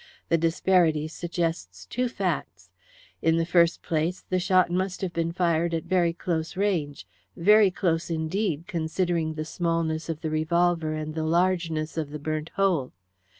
The disparity suggests two facts. In the first place, the shot must have been fired at very close range very close indeed, considering the smallness of the revolver and the largeness of the burnt hole.